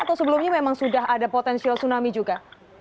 atau sebelumnya memang sudah ada potensial tsunami juga